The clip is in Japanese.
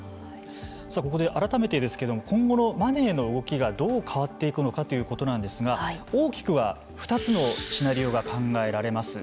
ここで改めてですけれども今後マネーの動きがどう変わっていくのかということなんですが大きくは２つのシナリオが考えられます。